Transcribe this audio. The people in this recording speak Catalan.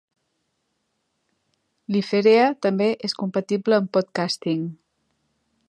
Liferea també és compatible amb Podcasting.